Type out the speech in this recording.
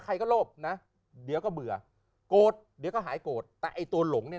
ใครก็โลภนะเดี๋ยวก็เบื่อโกรธเดี๋ยวก็หายโกรธแต่ไอ้ตัวหลงเนี่ย